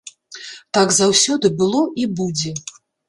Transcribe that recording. Так заўсёды было і будзе.